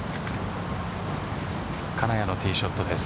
金谷のティーショットです。